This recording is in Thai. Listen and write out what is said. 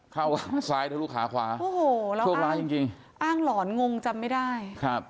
เข้าซ้ายทะลุขาขวาโอ้โหเราอ้างหลอนงงจำไม่ได้